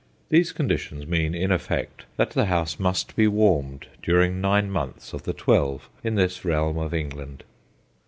These conditions mean, in effect, that the house must be warmed during nine months of the twelve in this realm of England.